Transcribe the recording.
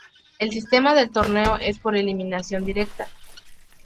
El sistema del torneo es por eliminación directa.